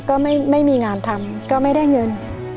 ก็ไม่มีงานทำก็ไม่ได้เงิน